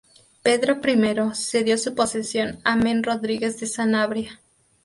Pedro I cedió su posesión a Men Rodríguez de Sanabria.